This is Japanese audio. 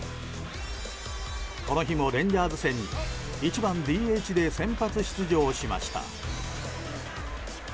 この日もレンジャーズ戦に１番ＤＨで先発出場しました。